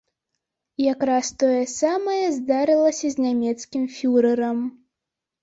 Якраз тое самае здарылася з нямецкім фюрэрам.